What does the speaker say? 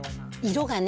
色がね。